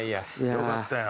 よかったよ。